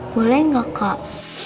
boleh enggak kak